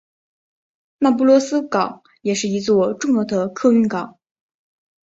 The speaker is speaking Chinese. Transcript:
那不勒斯港也是一座重要的客运港。